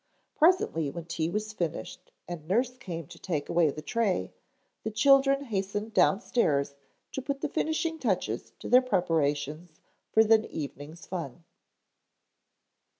Presently when tea was finished and nurse came to take away the tray, the children hastened downstairs to put the finishing touches to their preparations for the evening's fun.